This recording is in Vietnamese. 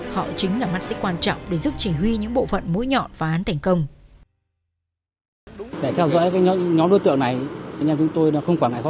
họ chính là mắt xích quan trọng để giúp chỉ huy những bộ phận mũi nhọn phá án thành công